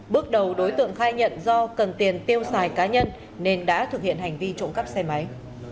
bước đầu đối tượng khai nhận do cần tiền tiêu xài cá nhân nên đã thực hiện hành vi trộm cắp xe máy